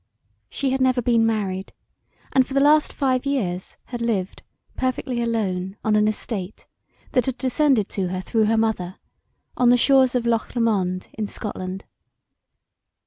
She had never been married; and for the last five years had lived perfectly alone on an estate, that had descended to her through her mother, on the shores of Loch Lomond in Scotland.